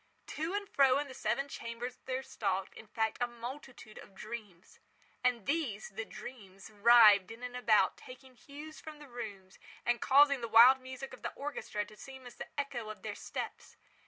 To and fro in the seven chambers there stalked, in fact, a multitude of dreams. And these—the dreams—writhed in and about taking hue from the rooms, and causing the wild music of the orchestra to seem as the echo of their steps.